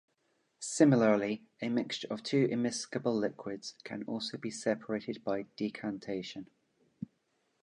Similarly a mixture of two immiscible liquids can also be separated by decantation.